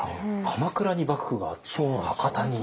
鎌倉に幕府があって博多に。